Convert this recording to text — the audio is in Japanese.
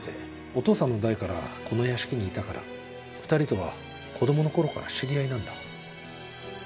お父さんの代からこの屋敷にいたから２人とは子供のころから知り合いなんだ。